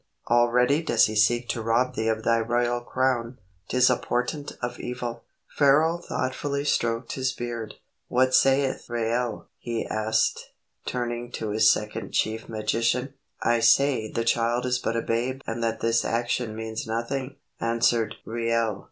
Already does he seek to rob thee of thy royal crown. 'Tis a portent of evil." Pharaoh thoughtfully stroked his beard. "What sayeth Reuel?" he asked, turning to his second chief magician. "I say the child is but a babe and that this action means nothing," answered Reuel.